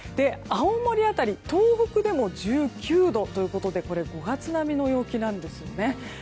青森辺り、東北でも１９度ということで５月並みの陽気なんですね。